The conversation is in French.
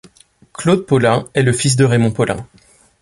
Claude Polin est le fils de Raymond Polin.